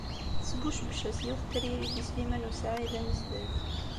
Tesbucbec-as yiwet n tririt i Sliman u Saɛid Amezdat.